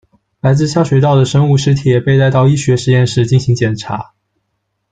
来自下水道的生物尸体也被带到医学实验室进行检查。